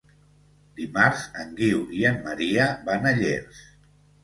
Dimarts en Guiu i en Maria van a Llers.